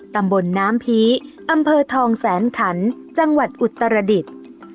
ตำบลน้ำผีอำเภอทองแสนขันจังหวัดอุตรดิษฐ์